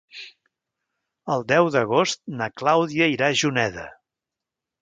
El deu d'agost na Clàudia irà a Juneda.